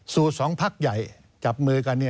สองพักใหญ่จับมือกัน